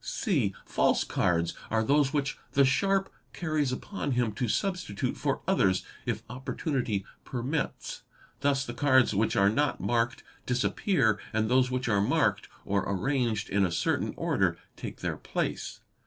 (c) False cards are those which the sharp carries upon him to substitute for others if opportunity permits; thus the cards which are not marked disappear and those which are marked or arranged in a certain order take their place.